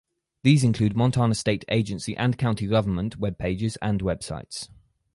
These include Montana state agency and county government web pages and websites.